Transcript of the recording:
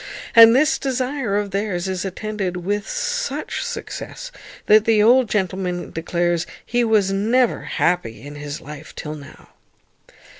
And this desire of theirs is attended with such success, that the old gentleman declares he was never happy in his life till now.